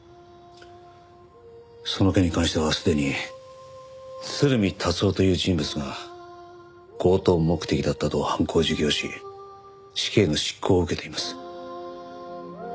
その件に関してはすでに鶴見達男という人物が強盗目的だったと犯行を自供し死刑の執行を受けています。